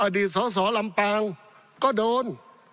อดีตสอสอลำปางก็โดน